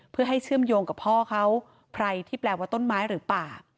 เพื่อให้เชื่อมโยงกับพ่อเขาใครที่แปลว่าต้นไม้หรือป่า